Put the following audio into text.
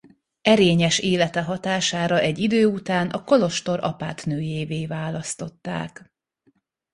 Erényes élete hatására egy idő után a kolostor apátnőjévé választották.